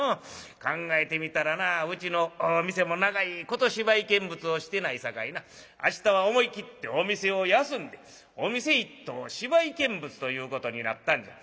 考えてみたらなうちの店も長いこと芝居見物をしてないさかいな明日は思い切ってお店を休んでお店一統芝居見物ということになったんじゃ。